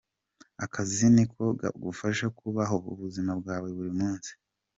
Akazi niko kagufasha kubaho ubuzima bwa buri munsi.